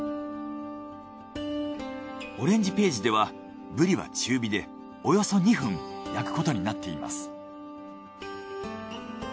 『オレンジページ』ではブリは中火でおよそ２分焼くことになっています。